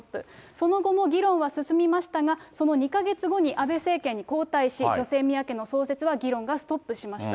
その後も議論は進みましたが、その２か月後に安倍政権に交代し、女性宮家の創設は議論がストップしました。